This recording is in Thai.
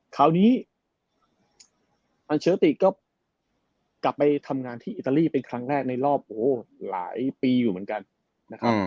คราวนี้อัลเชอร์ติก็กลับไปทำงานที่อิตาลีเป็นครั้งแรกในรอบโอ้โหหลายปีอยู่เหมือนกันนะครับ